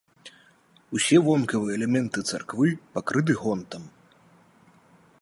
Усе вонкавыя элементы царквы пакрыты гонтам.